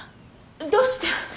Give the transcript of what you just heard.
どうして。